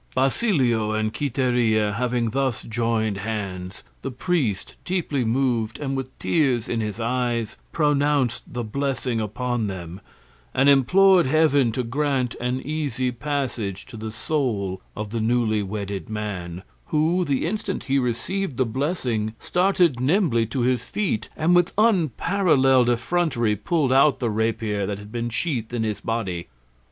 Basilio and Quiteria having thus joined hands, the priest, deeply moved and with tears in his eyes, pronounced the blessing upon them, and implored heaven to grant an easy passage to the soul of the newly wedded man, who, the instant he received the blessing, started nimbly to his feet and with unparalleled effrontery pulled out the rapier that had been sheathed in his body.